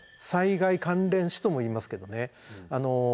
「災害関連死」とも言いますけどね。